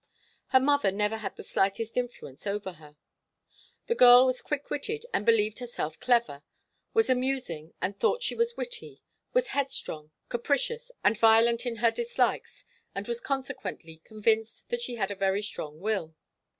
Her mother never had the slightest influence over her. The girl was quick witted and believed herself clever, was amusing and thought she was witty, was headstrong, capricious and violent in her dislikes and was consequently convinced that she had a very strong will.